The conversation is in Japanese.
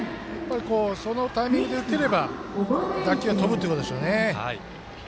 そのタイミングで打てれば打球は飛ぶということでしょうね。